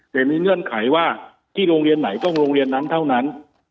แต่มีเงื่อนไขว่าที่โรงเรียนไหนต้องโรงเรียนนั้นเท่านั้น